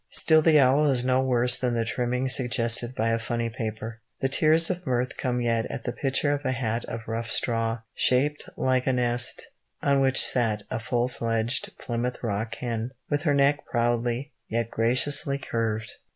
Still the owl is no worse than the trimming suggested by a funny paper. The tears of mirth come yet at the picture of a hat of rough straw, shaped like a nest, on which sat a full fledged Plymouth Rock hen, with her neck proudly, yet graciously curved.